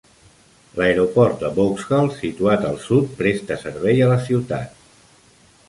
L'aeroport de Vauxhall, situat al sud, presta servei a la ciutat.